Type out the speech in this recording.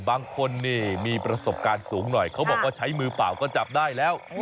บางคนนี่มีประสบการณ์สูงหน่อยเขาบอกว่าใช้มือเปล่าก็จับได้แล้ว